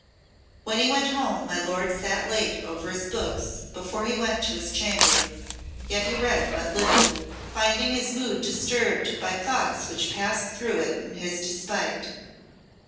When he went home my lord sate late over his books before he went to his chamber, yet he read but little, finding his mood disturbed by thoughts which passed through it in his despite.